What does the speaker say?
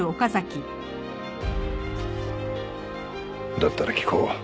だったら聞こう。